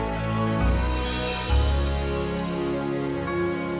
sampai jumpa lagi